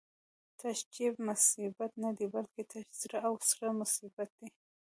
تش جېب مصیبت نه دی، بلکی تش زړه او سر مصیبت دی